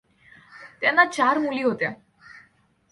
त्यांना चार मुली होत्या.